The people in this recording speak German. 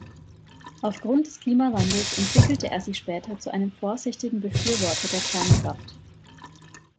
Aufgrund des Klimawandels entwickelte er sich später zu einem vorsichtigen Befürworter der Kernkraft.